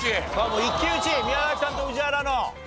もう一騎打ち宮崎さんと宇治原の。